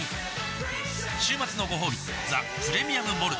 週末のごほうび「ザ・プレミアム・モルツ」